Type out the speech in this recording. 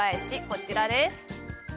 こちらです